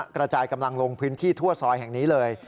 กระจายกำลังลงพื้นที่ทั่วซอยแห่งนี้เลย